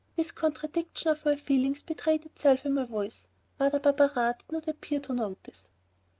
This contradiction of my feelings betrayed itself in my voice. Mother Barberin did not appear to notice.